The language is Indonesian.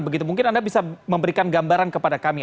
begitu mungkin anda bisa memberikan gambaran kepada kami